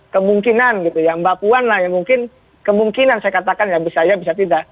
kemungkinan gitu ya mbak puan lah yang mungkin kemungkinan saya katakan ya bisa ya bisa tidak